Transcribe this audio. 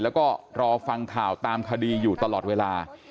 แล้วก็รอฟังข่าวตามคดีอยู่ตลอดเวลา